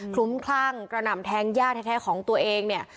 คลุ้มคลั่งกระหน่ำแท้งยาแท้ของตัวเอง